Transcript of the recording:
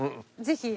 ぜひ。